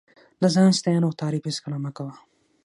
نو د ځان ستاینه او تعریف هېڅکله مه کوه.